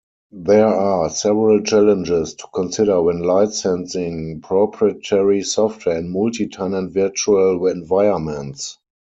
There are several challenges to consider when licensing proprietary software in multi-tenant virtual environments.